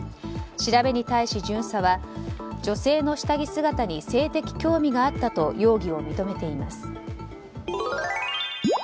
調べに対し巡査は、女性の下着姿に性的興味があったと容疑を認めています。